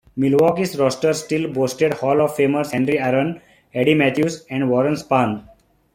Milwaukee's roster still boasted Hall of Famers Henry Aaron, Eddie Mathews and Warren Spahn.